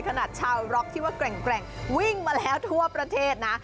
ขนาดชาวร็อกที่ว่าแกร่งวิ่งมาแล้วทั่วประเทศนะ